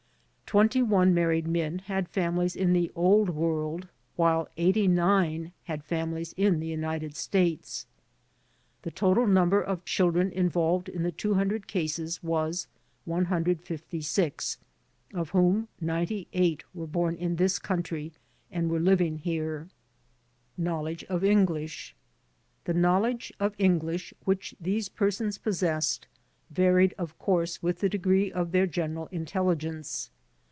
Twen ty one married men had families in the Old World, while 89 had families in the United States. The total number of children involved in the 200 cases was 156, of whom 98 were born in this country and were living here.' Knowledge of English The knowledge of English which these persons pos sessed varied of course with the degree of their general intelligence.